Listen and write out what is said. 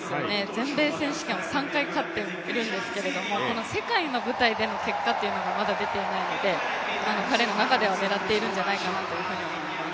全米選手権を３回勝っているんですがこの世界の舞台での結果というのがまだ出ていないので彼の中では狙っているのではないかなと思います。